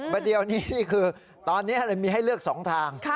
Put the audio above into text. บะเดวนี่คือตอนนี้มีให้เลือก๒ทาง